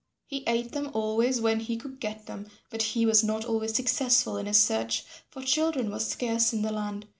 He ate them always when he could get them, but he was not always successful in his search, for children were scarce in the land.